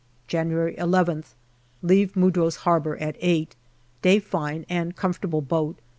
January llth. Leave Mudros Harbour at eight. Day fine, and com fortable boat.